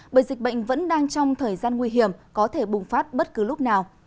bởi dịch bệnh vẫn đang trong thời gian nguy hiểm có thể bùng phát bất cứ lúc nào